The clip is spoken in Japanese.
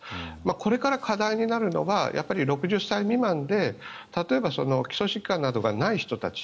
これから課題になるのは６０歳未満で例えば基礎疾患などがない人たち。